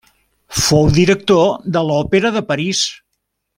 Fou director de l'Òpera de París.